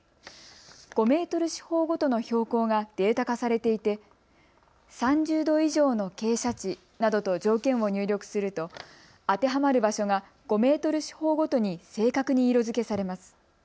５メートル四方ごとの標高がデータ化されていて３０度以上の傾斜地などと条件を入力すると当てはまる場所が５メートル四方ごとに正確に色づけされます。